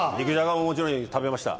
もちろん食べました。